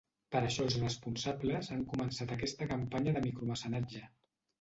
Per això els responsables han començat aquesta campanya de micromecenatge.